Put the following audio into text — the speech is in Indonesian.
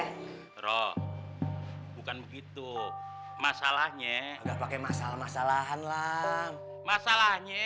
hai roh bukan begitu masalahnya pakai masalah masalah anlang masalahnya